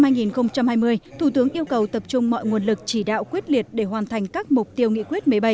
năm hai nghìn hai mươi thủ tướng yêu cầu tập trung mọi nguồn lực chỉ đạo quyết liệt để hoàn thành các mục tiêu nghị quyết một mươi bảy